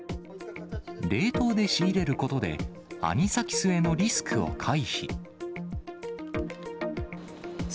冷凍で仕入れることで、アニサキスへのリスクを回避。